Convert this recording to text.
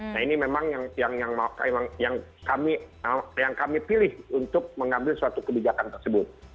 nah ini memang yang kami pilih untuk mengambil suatu kebijakan tersebut